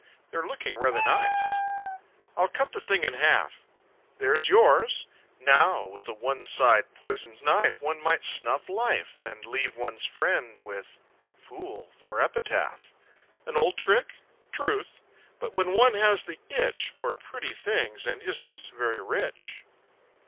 They're looking rather nice! I'll cut the thing in half. There's yours! Now, with a one side poisoned knife One might snuff life And leave one's friend with "fool" for epitaph! An old trick? Truth! But when one has the itch For pretty things and isn't very rich....